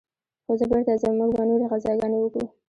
خو زه بېرته ځم موږ به نورې غزاګانې وكو.